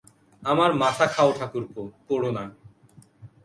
আমার মাথা খাও ঠাকুরপো, পোড়ো না।